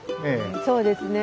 そうですね。